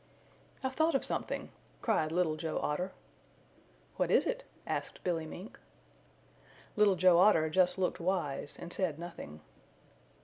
"I've thought of something!" cried Little Joe Otter. "What is it?" asked Billy Mink. Little Joe Otter just looked wise and said nothing.